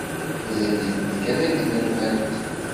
Mazal-itent kan akken rfant?